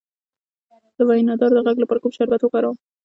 د وینادرو د غږ لپاره کوم شربت وکاروم؟